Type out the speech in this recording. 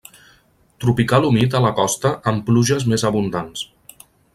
Tropical humit a la costa, amb pluges més abundants.